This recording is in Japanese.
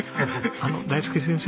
あの大介先生